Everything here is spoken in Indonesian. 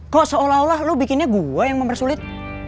kok seolah olah lu bikinnya gua yang mempersulit